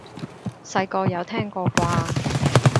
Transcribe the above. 細個有聽過啩？